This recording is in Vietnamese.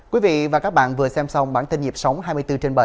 quý vị và các bạn vừa xem xong bản tin nhịp sống hai mươi bốn trên bảy